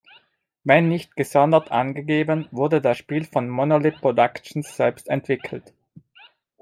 Wenn nicht gesondert angegeben, wurde das Spiel von Monolith Productions selbst entwickelt.